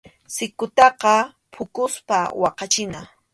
Sikutaqa phukuspa waqachina.